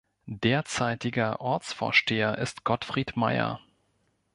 Derzeitiger Ortsvorsteher ist Gottfried Mayer.